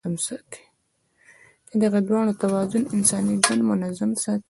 د دغو دواړو توازن انساني ژوند منظم ساتي.